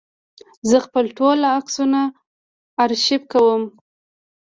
زه خپل ټول عکسونه آرشیف کوم.